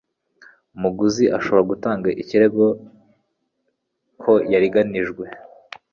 umuguzi ashobora gutanga ikirego ko yariganijwe